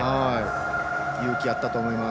勇気があったと思います。